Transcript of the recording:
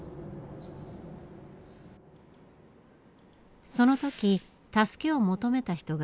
その時助けを求めた人がいます。